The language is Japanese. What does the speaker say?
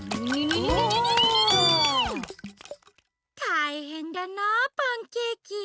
たいへんだなあパンケーキ。